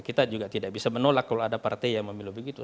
kita juga tidak bisa menolak kalau ada partai yang memilih begitu